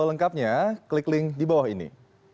lengkapnya klik link di bawah ini